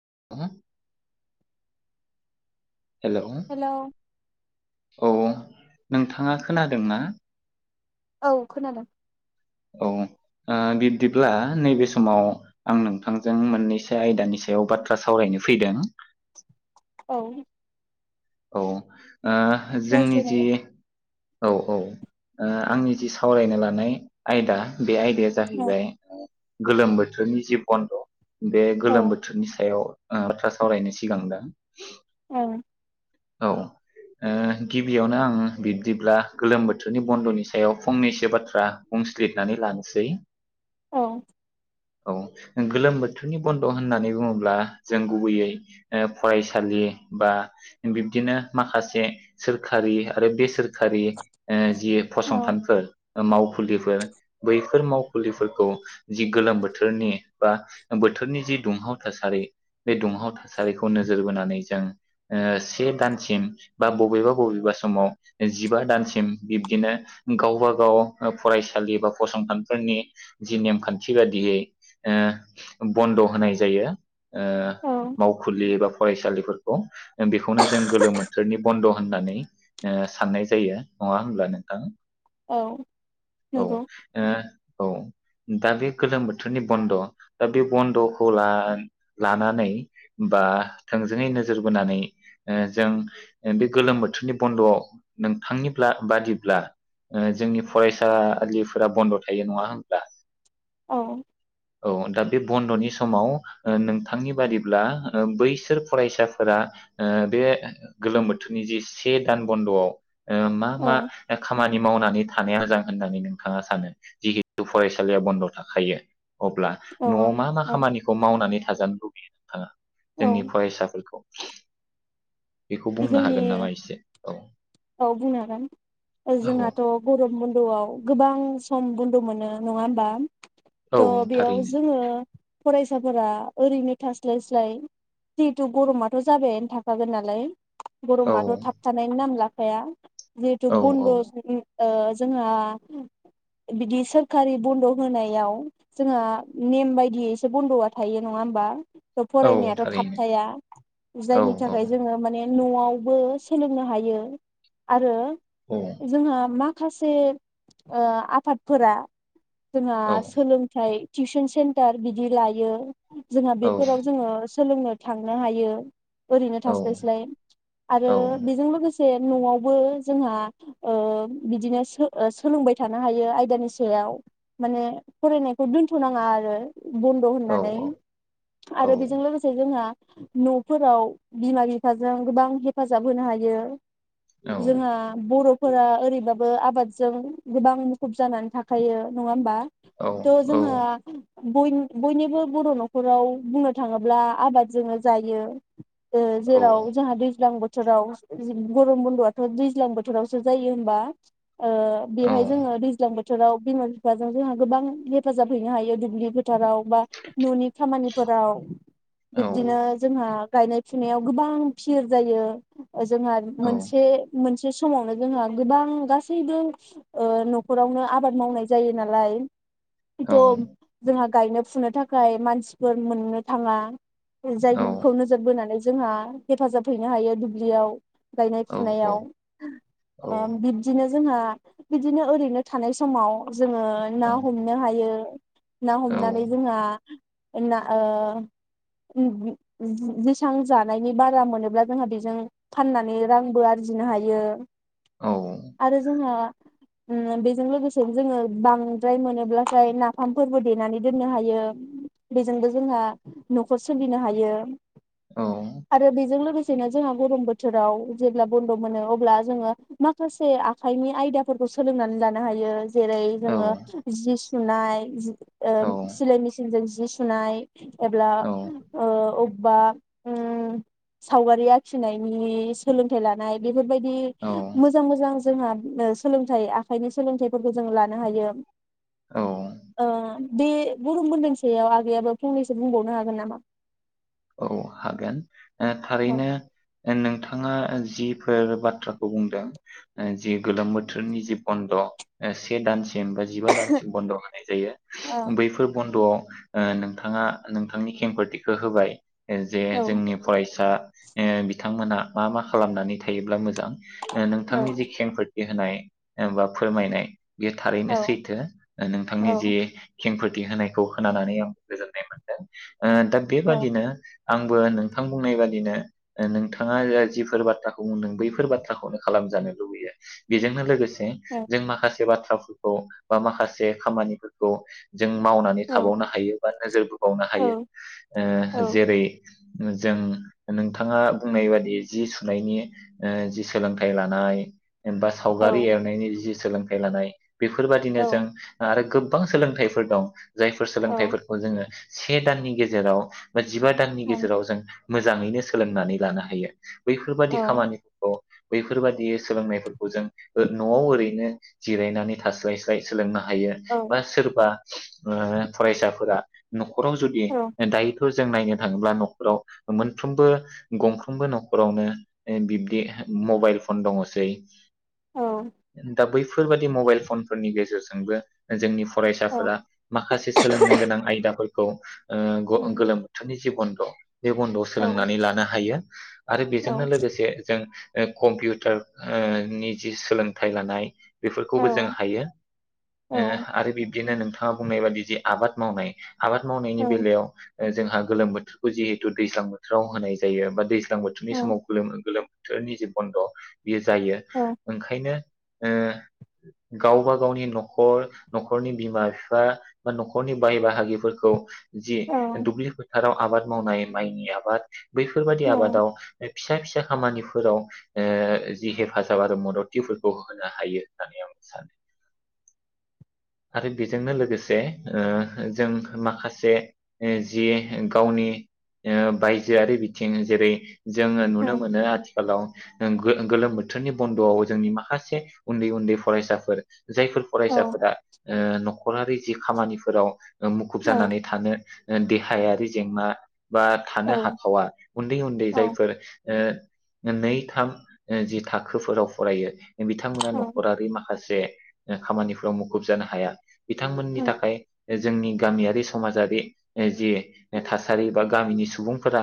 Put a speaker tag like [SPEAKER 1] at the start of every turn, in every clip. [SPEAKER 1] [unintelligible] Hello औ। नोंथाङा खोनादोंना?
[SPEAKER 2] औ खोनादों।
[SPEAKER 1] औ ओ बिब्दिब्ला नैबे समाव आं नोंथांजों मोननैसो आयदानि सायाव बाथ्रा सावरायनो फैदों।
[SPEAKER 2] औ।
[SPEAKER 1] औ ओ जोंनि जि।
[SPEAKER 2] रायज्लायनांगोन
[SPEAKER 1] औ औ आंनि जि सावरायनो लानाय आयदा बे आयदाया जाहैबाय गोलोम बोथोरनि जि बन्द बे
[SPEAKER 2] औ
[SPEAKER 1] गोलोम बोथोरनि सायाव ओ बाथ्रा सावरायनो सिगांदों।
[SPEAKER 2] औ
[SPEAKER 1] औ ओ गिबियावनो आं बिब्दिब्ला गोलोम बोथोरनि बन्दनि सायाव फंनैसो बाथ्रा बुंस्लिरनानै लानोसै।
[SPEAKER 2] औ
[SPEAKER 1] औ गोलोम बोथोरनि बन्द होननानै बुङोब्ला जों गुबैयै फरायसालि बा बिब्दिनो माखासे सोरखारि आरो बे सोखारि ओ जि फसंथानफोर। मावखुलिफोर बैफोर मावखुलिफोरखौ जि गोलोम बोथोरनि बा बोथोरनि जि दुंहाव थासारि बे दुंहाव थासारिखौ नोजोर बोनानै जों ओ से दानसिम बा बबेबा बबेबा समाव जिबा दानसिम बिब्दिनो गावब गाव फरायसालि बा फसंथानफोरनि जि नेमखान्थि बादियै ओ बन्द होनाय जायो ओ
[SPEAKER 2] औ
[SPEAKER 1] मावखुलि एबा फरायसालिफोर [unintelligible] बेखौनो जों गोलोम बोथोरनि बन्द होननानै ओ साननाय जायो नङा होमब्ला नोंथां
[SPEAKER 2] औ
[SPEAKER 1] औ
[SPEAKER 2] नंगौ
[SPEAKER 1] नोङो। औ दा बे गोलोम बोथोरनि बन्द दा बे बन्दखौ लानानै बा थोंजोङै नोजोर बोनानै ओ जों बे गोलोम बोथोरनि बन्दआव नोंथांनि बला बादिब्ला जोंनि फरायसा आ [unintelligible] फोरा बन्द थायो नङा होनबा।
[SPEAKER 2] औ।
[SPEAKER 1] औ दा बे बन्द नि समाव नोंथांनि बादिब्ला ओ बैसोर फरायसाफोरा ओ बे गोलोम बोथोरनि जे से दान बन्दआव ओ मा मा खामानि मावनानै थानाया मोजां होननानै नोंथाङा सानो जिहेतु फरायसालिया बन्द थाखायो अब्ला
[SPEAKER 2] औ
[SPEAKER 1] नआव मा मा
[SPEAKER 2] औ
[SPEAKER 1] खामानिखौ मावनानै थाजानो लुबैयो? हो
[SPEAKER 2] औ
[SPEAKER 1] जोंनि फरायसाफोरखौ बेखौ बुंनो
[SPEAKER 2] जोंनि
[SPEAKER 1] हागोन नामा एसे औ
[SPEAKER 2] औ बुंनो हागोन
[SPEAKER 1] औ
[SPEAKER 2] जोंहाथ गरम। बन्दआव गोबां सम बन्द मोनो नङा होमबा
[SPEAKER 1] औ
[SPEAKER 2] थ बेयाव
[SPEAKER 1] थारैनो
[SPEAKER 2] जोङो फरायसाफोरा ओरैनो थास्लायस्लाय जिहेथु गरमाथ जाबायानो थाखागोन नालाय।
[SPEAKER 1] औ
[SPEAKER 2] गरमाथ थाब थानायनि नाम ला हाया। जिहेथु
[SPEAKER 1] औ
[SPEAKER 2] बन्द
[SPEAKER 1] औ
[SPEAKER 2] [inaudible] ओ जोंहा बिदि सोरखारि बन्द होनायाव जोंहा नेम बायदियैसो बन्द आ थायो नङा होमबा।
[SPEAKER 1] औ
[SPEAKER 2] फरायनायाथ
[SPEAKER 1] थारैनो
[SPEAKER 2] थाबथाया
[SPEAKER 1] औ
[SPEAKER 2] जायनि
[SPEAKER 1] औ
[SPEAKER 2] थाखाय जोंङो माने नआवबो सोलोंनो हायो आरो
[SPEAKER 1] औ
[SPEAKER 2] जोंहा मा- खासे आफादफोरा जोंहा सोलोंथाइ‌। टिउसन सेन्टार बिदि लायो। जोंहा बेफोराव
[SPEAKER 1] औ
[SPEAKER 2] जोंङो सोलोंनो थांनो हायो ओरैनो
[SPEAKER 1] औ
[SPEAKER 2] थास्लायस्लाय। आरो
[SPEAKER 1] औ
[SPEAKER 2] बेजों लोगोसे। नआवबो जोंहा ओ बिदिनो सो सोलोंबाय थानो हायो आयदानि सायाव माने फरायनायखौ दोनथनाङा आरो बन्द
[SPEAKER 1] औ
[SPEAKER 2] होननानै
[SPEAKER 1] औ
[SPEAKER 2] आरो बेजों लोगोसे जोंहा नफोराव बिमा बिफा- जों गोबां हेफाजाब होनो हायो जोंहा बर' फोरा ओरैबाबो आबादजों गोबां मुखुब जानानै थाखायो नङा होमबा?
[SPEAKER 1] औ
[SPEAKER 2] थ जोंहा बयनि बयनिबो बर नखराव बुंनो थाङोब्ला आबादजोंनो जायो जो
[SPEAKER 1] औ
[SPEAKER 2] जेराव दैज्लां बोथोराव गरम बन्दआथ' दैज्लां बोथोरावसो जायो होनबा ओ
[SPEAKER 1] औ
[SPEAKER 2] बेवहाय जोङो दैज्लां बो बोथोराव बिमा बिफाजों जोंहा गोबां हेफाजाब हैनो हायो दुब्लि बो फोथाराव बा ननि खामानिफोराव
[SPEAKER 1] औ
[SPEAKER 2] बिब्दिनो जोंहा। गायनाय फुनायाव गोबां फिर जायो। जोंहा
[SPEAKER 1] औ
[SPEAKER 2] मोनसे मोनसे समावनो जोंहा गोबां गासैबो ओ नखरावनो आबाद मावनाय जायो नालाय थ' जोंहा गायनो फुनो थाखाय मानसिफोर मोननो थाङा। [unintelligible] खौ नोजोर बोनानै जोंहा हेफाजाब हैनो हायो दुब्लियाव गायनाय फुनायाव ओ बिबदिनो जोंहा बिदिनो ओरैनो थानाय समाव जोङो ना हमनो हायो। ना हमनानै जोंहा ओंना ओ [unintelligible] जेसेबां जानायनि बारा मोनोब्ला जोंहा बेजों फाननानै रांबो आरजिनो हायो। आरो जोंहा उम बेजों लोगोसेनो जोङो बांद्राय मोनोब्लाथाय नाफामफोरबो देनानै दोननो हायो बेजोंबो जोंहा न'खर सोलिनो हायो।
[SPEAKER 1] औ।
[SPEAKER 2] आरो बेजों लोगोसेनो जोंहा गरम बोथोराव जेब्ला बन्द' मोनो अब्ला जोङो माखासे आखायनि आयदाफोरखौ सोलोंनानै लानो हायो जेरै जोङो जि सु नाय जि ओ सिलाय मिसिनजों जि जि सुनाय एब्ला ओ अब बा उम सावगारि आखिनायनि सोलोंथाइ लानाय बे बेफोरबायदि
[SPEAKER 1] औ
[SPEAKER 2] मोजां मोजां जोंहा ओ सोलोंथाइ आखाइनि सोलोंथाइफोरखौ जों लानो हायो।
[SPEAKER 1] औ
[SPEAKER 2] ओ। बे गरम बन्द'नि सायाव आगैयाबो फंनैसो बुंबावनो हागोन नामा?
[SPEAKER 1] औ हागोन ओ
[SPEAKER 2] औ
[SPEAKER 1] थारैनो नोंथां नोंथाङा जिफोर बाथ्राखौ बुंदों ओ जि गोलोम बोथोरनि जि बन्द' से दानसि सिम बा जिबा दानसिम बन्द' होनाय जायो बैफोर बन्द'आव ओ नोंथाङा नोंथांनि खेंफोरथिखो होबाय ओ जे
[SPEAKER 2] औ
[SPEAKER 1] जोंनि फरायसा ओ बिथांमोनहा मा मा खालामनानै थायोब्ला मोजां। ओ
[SPEAKER 2] औ
[SPEAKER 1] नोंथांनि जि खेंफोर होनाय एबा फोरमायनाय बेयो थारैनो सैथो
[SPEAKER 2] औ
[SPEAKER 1] नोंथांनि जि खेंफोर थि होनायखौ होनानानै आं गोजोननाय मोनदों। ओ दा
[SPEAKER 2] औ
[SPEAKER 1] बेबादिनो आंबो नोंथां बुंनाय बादिनो नोंथाङा ओ जिफोर बाथ्राखौ बुंदों बैफोर बाथ्राखौनो खालामजानो लुबैयो। बेजोंनो लोगोस से
[SPEAKER 2] औ
[SPEAKER 1] जों माखासे बाथ्रा थ्राफोरखौ बा माखासे खामानिफोरखौ जों मावनानै
[SPEAKER 2] औ
[SPEAKER 1] थाबावनो हायो बा नोजोर बोबावनो
[SPEAKER 2] औ
[SPEAKER 1] हायो। ओ
[SPEAKER 2] औ
[SPEAKER 1] जों नोंथाङा बुंनाय बादि जि सुनायनि जि सोलोंथाइ लानाय होमबा
[SPEAKER 2] औ
[SPEAKER 1] सावगारि एरनायनि जि सोलोंथाइ लानाय बिफोरबादिनो जों
[SPEAKER 2] औ
[SPEAKER 1] आरो गोब बां सोलोंथाइफोर दं। जायफोर सोलोंथाइफोरखौ जोंङो से दाननि गेजेराव बा जिबा दाननि गेजेराव जों मोजाङैनो सोलोंनानै लानो हायो। बैफोर बादि
[SPEAKER 2] औ
[SPEAKER 1] खामानिफोरखौ बै बैफोर बादि सोलोंनायफोरखौ जों ओ न'आव ओरैनो जिरायनानै थास्लाय स्लाय सोलोंनो हायो बा
[SPEAKER 2] औ
[SPEAKER 1] सोरबा ओ फरायसाफोरा न' खराव जुदि दाय जों नायनो थाङोब्ला न'खराव मोनफ्रबो गंफ्रोमबो न'खरावनो ओ बिबदि मबाइल फन दङसै। दा बै फोरबादि मबाइल फनफोरनि गेजेरजोंबो जोंनि फरायसाफोरा माखासे सोलोंनो गोनां आयदाफोर खौ ओ गोलोम बोथोरनि जि बनद' बे बन्दआव सोलोंनानै लानो हायो आरो बेजोंनो लोगोसे जों ओ कम्पिउटार ओ नि जि सोलोंथाइ लानाय। बेफोरखौबो जों हायो ओ आरो बिब दिनो नोंथाङा बुंनाय बादि जि आबाद मावनाय आबाद मावनायनि बेलायाव ओ जोंहा गोलोम बोथोरखौ जिहेथु दैज्लां बोथोराव होनाय जायो बा दैज जां बोथोरनि समाव गोलोमो गोलोम थो निजि बन्द' बियो जायो ओंखायनो ओ गावबा गावनि न'खर न'खरनि बिमा बिफा बा न'खरनि बाहाय बाहागिफोरखौ जि। फोथाराव आबाद मावनाय माइनि आबाद। बैफोरबायदि आबादाव फिसा फिसा खामानिफोराव ओ जि हेफाजाब आरो मददथिफोरखौ होनो हायो होननानै आं सानो। आरो बेजोंनो लोगोसे ओ जों माखासे ओ जि गावनि ओ बायजोआरि बिथिं जेरै जोङो नुनो मोनो आथि खालाव ओं गो‌-गोलोम बोथोरनि बन्द'आव जोंनि माखासे उन्दै उन्दै फरायसाफोर जायफोर फरायसाफोरा ओ‌ न'खरारि जि खामानिफोराव ओ मुखुब जानानै थानो देहायारि जेंना बा थानो हाखावा उन्दै उन्दै जायफोर ओ नै थाम ओ जि थाखोफोराव फरायो बिथांमोना न'खरारि माखासे से‌ ओ खामानिफ्राव मु खुबजानो हाया। बिथांमोननि थाखाय जोंनि गामियारि समाजारि ओ जि थासारि बा गामिनि सुबुंफोरा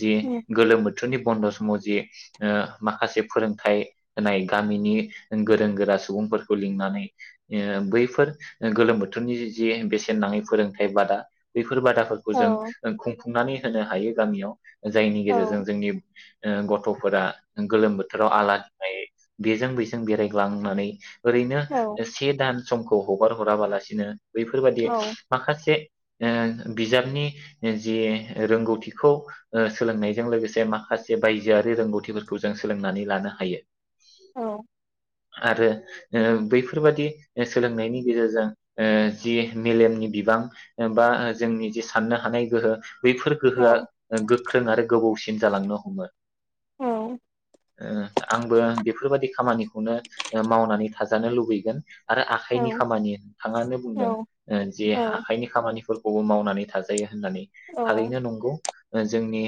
[SPEAKER 1] जि गोलोम बोथ थोरनि बन्द' समाव जे ओ‌ माखासे फोरोंथाइ होनाय गामिनि गोरों गोरा सुबुंफोरखौ लिंनानै ओ बैफोर गोलोम बोथोरनि जे बेसेन नाङै फोरोंथाइ बादा बे फोर बादाफोरखौ जों ओ खुं [unintelligible] नानै होनो हायो गामियाव। जायनि गेजेरजों जोंनि। ओ गथ'फोरा गोलोम बोथोराव आला होनाय बेजों बैजों बेरायग्लांनानै ओरैनो एसे गोदान समखौ हगार हराबालासिनो बेैफोरबादि माखासे ओ बिजाबनि जि रोंगौथिखौ ओ सोलोंनायजों लोगोसे माखासे बायजोआरि रोंगौथिफोरखौ जों सोलोंनानै लानो हायो। [inaudible] आरो ओ बैफ फोरबादि ओ सोलोंनायनि गेजेरजों ओ जि मेलेमनि बिबां ओ बा ओ जोंनि जि साननो हानाय गोहो बैफोर गोहोआ ओ गोख्रों आरो गोबौसि सिन जालांनो हमो। ओ आंबो बेफोरबायदि खामानि खौनो ओ मावनानै थाजानो लुगै [inaudible] आरो आखाइनि खामानि नोंथाङानो बुंदों जे आखाइनि खामानिफोरखौ बो मावनानै थाजायो होननानै थारैनो नंगौ, जोंनि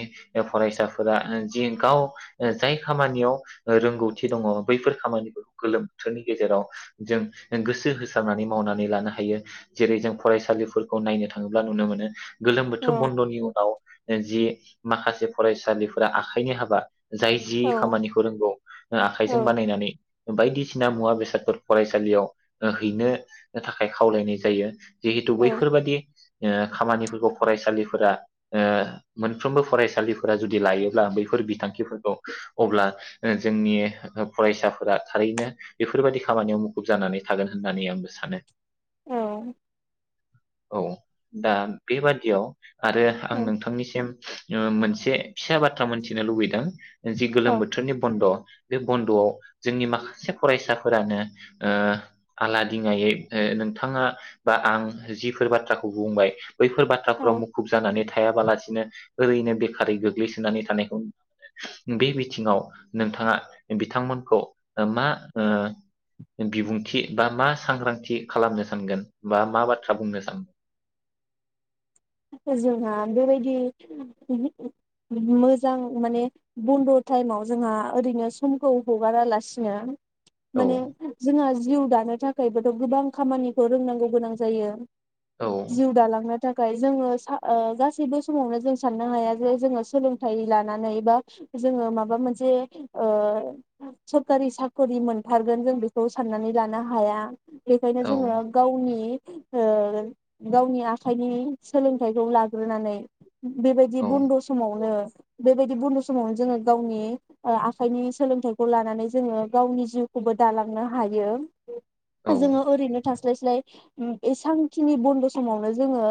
[SPEAKER 1] फरायसाफोरा जि गाव जाय खामानियाव रोंगौथि दङ बैफोर खामानिफोरखौ गोलोम बोथोरनि गेजेराव जों गोसो होसारनानै मावनानै लानो हायो जेरै जों फरायसालिफोरखौ नायनो थाङोब्ला नुनो मोनो गोलोम बोथोर बन्द'नि उनाव जि माखासे फरायसालिफोरा आखाइनि हाबा जाय जि खामानिखौ रोंगौ आखाइजों बानायनानै बायदिसिना मुवा बेसादफोर फरायसालियाव हैनो थाखाय खावलायनाय जायो जिहेतु बैफोरबादि खामानिफोरखौ फरायसालिफोरा ओ मोनफ्रोमबो फरायसालिफोरा जुदि लायोब्ला बैफोर बिथांखिफोरखौ अब्ला जोंनि फरायसाफोरा थारैनो बेफोरबायदि खामानियाव मुखुब जानानै थागोन होननानै आंबो सानो
[SPEAKER 2] औ
[SPEAKER 1] औ दा बेबादियाव आरो आं नोंथांनिसिम। मोनसे फिसा बाथ्रा मोनथिनो लुबैदों जि गोलोम बोथोरनि बन्द' बे बन्द'आव जोंनि माखासे फरायसा फोरानो ओ आलादिङायै नोंथाङा बा आं जिफोर बाथ्राखौ बुंबाय, बैफोर
[SPEAKER 2] औ
[SPEAKER 1] बाथ्राफोराव मुखुब जानानै थां थायाबालासिनो ओरैनो बेखारै गोग्लैसोनानै थानायखौ नुनो मोनो बे बिथिङाव नोंथाङा बिथांमोनखौ मा? बिबुंथि बा मा सांग्रांथि खालामनो सानगोन बा मा बाथ्रा बुंनो सानगोन
[SPEAKER 2] जोंहा बेबायदि मोजां माने बन्द' टाइमाव जोंहा ओरैनो समखौ हगारालासिनो
[SPEAKER 1] औ
[SPEAKER 2] माने जोंहा जिउ दानो थाखायबोथ' गोबां खामानिखौ रोंनांगौ गोनां जायो।
[SPEAKER 1] औ
[SPEAKER 2] जिउ दालांनो। [unintelligible] जोङो सा गासैबो समावनो जों साननो हाया जे जोङो सोलोंथाइ लानानै बा जोङो माबा मोनसे ओ सरखारि साख'रि मोनथारगोन जों बेखौ साननानै लानो हाया बेखायनो जोङो गावनि ओ गावनि आखाइनि सोलोंथाइखौ लाग्रोनानै बेबायदि
[SPEAKER 1] औ
[SPEAKER 2] बन्द' समावनो बेबायदि बन्द समावनो जोङो गावनि आखाइनि सोलोंथाइखौ लानानै जोङो गावनि जिउखौबो दालांनो हायो
[SPEAKER 1] औ
[SPEAKER 2] जोङो ओरैनो थास थास्लाय स्लाय बे सानखिनि बन्द' समावनो जोङो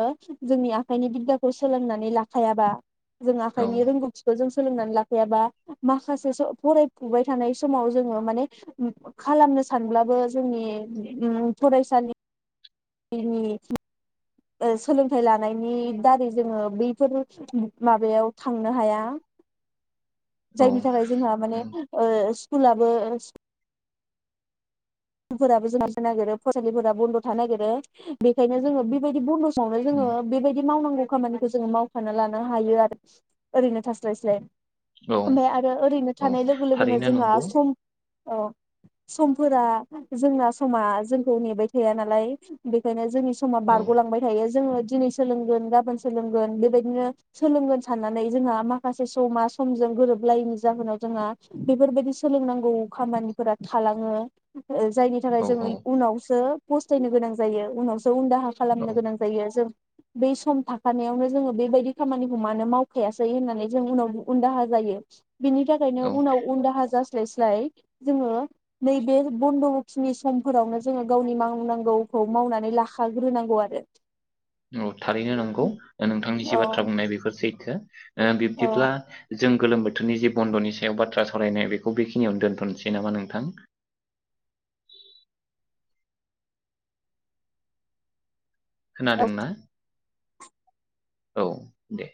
[SPEAKER 2] जोंनि आखाइनि बिद्दाखौ सोलोंनानै लाखायाबा जों
[SPEAKER 1] औ
[SPEAKER 2] आखाइनि रोंगौथिखौ जों सोलोंनानै लाखायाबा माखासे सो फरायफुबाय थानाय समाव जोङो माने खालामनो सानब्लाबो जोंनि ओ फरायसानि नि ओ सोलोंथाइ लानायनि दारै जोङो बैफोर माबायाव थांनो हाया।
[SPEAKER 1] औ
[SPEAKER 2] जायनि थाखाय जोंहा माने
[SPEAKER 1] उम
[SPEAKER 2] ओ स्कुलाबो फोराबो [inaudible] नागिरो फरायसालिफोरा बन्द' थानो नागिरो बेखायनो जोङो बेबायदि
[SPEAKER 1] उम
[SPEAKER 2] बन्द' [unintelligible] बेबायदि मावनांगौ खामानि खौ जोङो मावफाना लानो हायो आरो ओरैनो थास्लायस्लाय।
[SPEAKER 1] औ
[SPEAKER 2] ओमफाय आरो ओरैनो
[SPEAKER 1] औ
[SPEAKER 2] थानाय लोगो लोगोनो
[SPEAKER 1] थारैनो
[SPEAKER 2] जोंहा
[SPEAKER 1] नंगौ
[SPEAKER 2] सम औ समफोरा जोंना समा जोंखौ नेबाय थाया नालाय बेखायनो जोंनि समा
[SPEAKER 1] औ
[SPEAKER 2] बारग'लांबाय थायो जोङो दिनै सोलोंगोन गाबोन सोलोंगोन बेबायदिनो सोलोंगोन साननानै जोंहा माखासे समा समजों गोरोबलायैनि जाहोनाव जोंहा बेफोरबायदि सोलोंनांगौ खामानिफोरा थालाङो। जायनि थाखाय जोङो
[SPEAKER 1] औ
[SPEAKER 2] उनावसो फस्थायनो गोनां जायो उनावसो उन‌ दाहा
[SPEAKER 1] औ
[SPEAKER 2] खालामनो गोनां जायो जों बै सम थाखानायावनो जोङो बेबायदि खामानिखौ मानो मावखायासै होननानै जों उनाव उनदाहा जायो। बिनि थाखायनो उनाव उन दाहा जा स्लाय स्लाय जोङो नैबे बन्द' बखिनि समफोरावनो जोङो गावनि मावनांगौखौ मावनानै लाखाग्रोनांगौ आरो।
[SPEAKER 1] औ थारैनो नंगौ नोंथांनि जि बाथ्रा
[SPEAKER 2] औ
[SPEAKER 1] बुंनाय बेफोर सैथो। ओ बिबदिब्ला जों गोलोम बोथोरनि जे बन्द'नि सायाव बाथ्रा सावरायनाय बेखौ बेखिनियावनो दोन्थ'नोसै नामा नोंथां?
[SPEAKER 2] औ
[SPEAKER 1] खोनादोंना? औ दे।